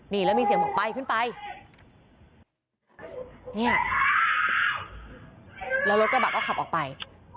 นี่แล้วมีเสียงบอกไปขึ้นไปเนี่ยแล้วรถกระบะก็ขับออกไป